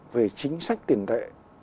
về chính sách tiền tệ